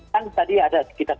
kan tadi ada sekitar tujuh puluh ya